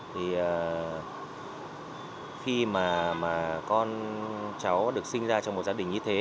thì khi mà con cháu được sinh ra trong một gia đình như thế